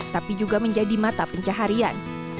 tapi juga menjadi mata pencaharian